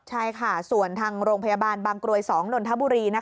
ใช่ค่ะส่วนทางโรงพยาบาลบางกรวย๒นนทบุรี